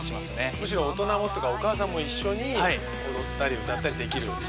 むしろ大人もというかお母さんも一緒に踊ったり歌ったりできる。